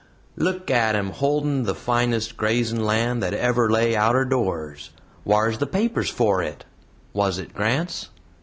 "Look at 'em holdin' the finest grazin' land that ever lay outer doors. Whar's the papers for it? Was it grants?